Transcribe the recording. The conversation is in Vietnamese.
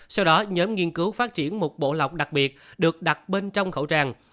sau đó nhóm nghiên cứu phát triển một bộ lọc đặc biệt được đặt bên trong khẩu trang